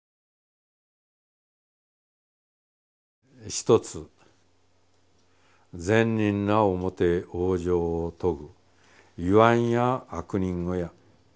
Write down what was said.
「一つ善人なおもて往生をとぐいわんや悪人をや。